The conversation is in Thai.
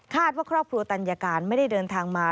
ว่าครอบครัวตัญญาการไม่ได้เดินทางมา